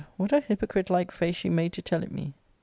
what a hypocrite like face she made to tell it me.